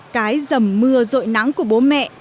cái dầm mưa rội nắng của bố mẹ